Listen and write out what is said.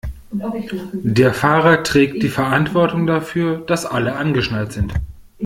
Der Fahrer trägt die Verantwortung dafür, dass alle angeschnallt sind.